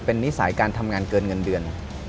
เป็นนิสัยการทำงานเกินเงินเดือน